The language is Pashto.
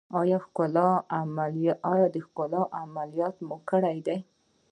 ایا ښکلا عملیات مو کړی دی؟